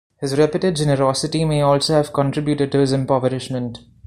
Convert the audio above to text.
His reputed generosity may also have contributed to his impoverishment.